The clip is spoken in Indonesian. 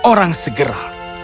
dengan orang segera